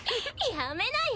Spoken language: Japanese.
やめなよ。